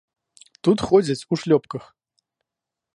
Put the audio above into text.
Тут ходзяць у шлёпках.